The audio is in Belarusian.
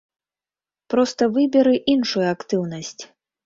Проста выберы іншую актыўнасць.